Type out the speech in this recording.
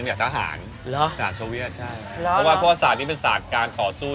เพราะความศาสตร์ที่เป็นศาสตร์การต่อสู้